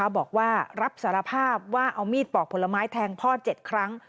บอกว่ารับสารภาพว่าเอามีดปอกผลไม้แทงพ่อ๗ครั้ง